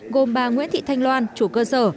gồm bà nguyễn thị thanh loan chủ cơ sở